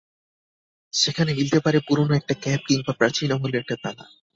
সেখানে মিলতে পারে পুরোনো একটা ক্যাপ কিংবা প্রাচীন আমলের একটা তালা।